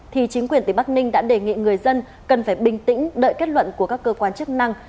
thì chính quyền tỉnh bắc ninh đã đề nghị người dân cần phải bình tĩnh đợi kết luận của các cơ quan chức năng